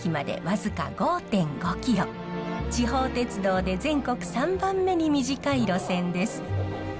地方鉄道で全国３番目に短い路線です。